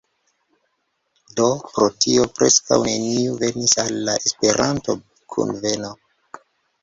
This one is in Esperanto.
Do, pro tio preskaŭ neniu venis al la Esperanto-kunveno